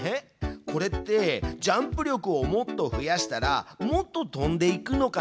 これってジャンプ力をもっと増やしたらもっととんでいくのかな？